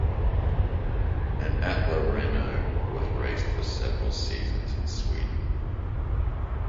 An Atla-Renault was raced for several seasons in Sweden.